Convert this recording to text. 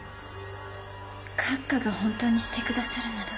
閣下が本当にしてくださるなら。